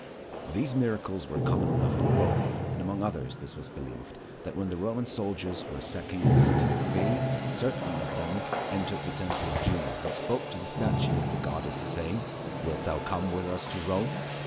These miracles were common enough in Rome, and among others this was believed, that when the Roman soldiers were sacking the city of Veii, certain of them entered the temple of Juno and spoke to the statue of the goddess, saying, "_Wilt thou come with us to Rome?